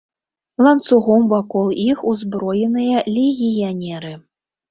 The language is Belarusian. Ланцугом вакол іх узброеныя легіянеры.